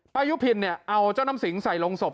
ยุพินเนี่ยเอาเจ้าน้ำสิงใส่ลงศพ